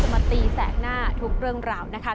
มาตีแสกหน้าทุกเรื่องราวนะคะ